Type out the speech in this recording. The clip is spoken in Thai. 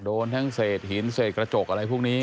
โดนทั้งเศษหินเศษกระจกอะไรพวกนี้